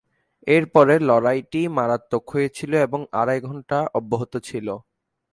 এরপরে লড়াইটি মারাত্মক হয়েছিল এবং আড়াই ঘণ্টা অব্যাহত ছিল।